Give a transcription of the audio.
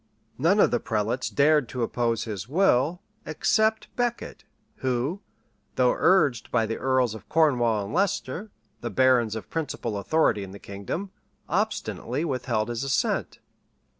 None of the prelates dared to oppose his will, except Becket, who, though urged by the earls of Cornwall and Leicester, the barons of principal authority in the kingdom, obstinately withheld his assent.